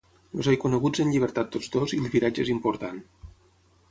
Els he coneguts en llibertat tots dos i el viratge és important.